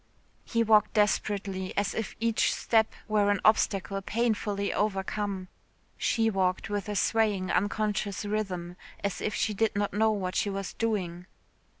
He walked desperately, as if each step were an obstacle painfully overcome. She walked with a swaying unconscious rhythm, as if she did not know what she was doing.